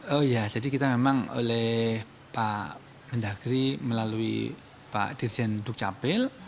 oh iya jadi kita memang oleh pak mendagri melalui pak dirjen duk capil